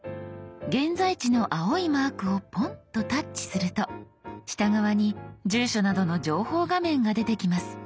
現在地の青いマークをポンとタッチすると下側に住所などの情報画面が出てきます。